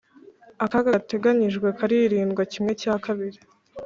akaga gateganijwe karirindwa kimwe cya kabiri